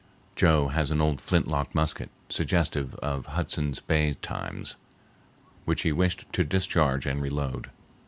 Joe has an old flintlock musket suggestive of Hudson's Bay times, which he wished to discharge and reload.